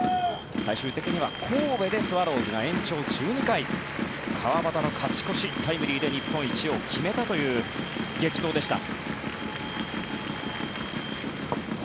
最終的には神戸でスワローズが延長１２回川端の勝ち越しタイムリーで日本一を決めたという激闘でした。